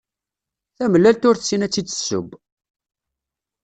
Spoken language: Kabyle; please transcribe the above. Tamellalt ur tessin ad tt-id-tesseww!